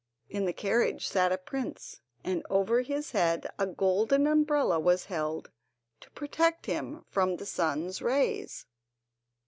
In the carriage sat a prince, and over his head a golden umbrella was held, to protect him from the sun's rays.